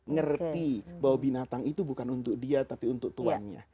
ngerti bahwa binatang itu bukan untuk dia tapi untuk tuannya